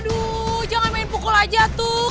aduh jangan main pukul aja tuh